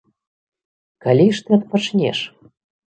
Калі ж ты адпачнеш?